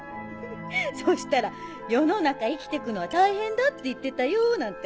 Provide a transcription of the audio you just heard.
そしたら「世の中生きて行くのは大変だって言ってたよ」なんて